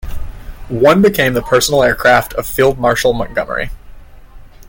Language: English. One became the personal aircraft of Field Marshal Montgomery.